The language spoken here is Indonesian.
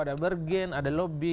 ada bergen ada lobby